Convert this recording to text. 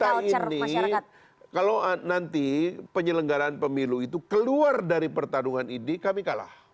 jadi kalau kita ini kalau nanti penyelenggaraan pemilu itu keluar dari pertarungan ide kami kalah